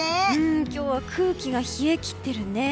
今日は空気が冷え切ってるね。